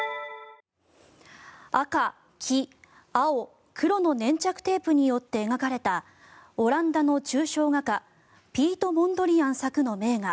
赤、黄、青、黒の粘着テープによって描かれたオランダの抽象画家ピート・モンドリアン作の名画